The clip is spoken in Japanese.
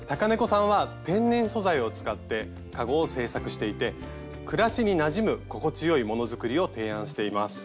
ｔａｋａｎｅｃｏさんは天然素材を使ってかごを製作していて暮らしになじむ心地よい物作りを提案しています。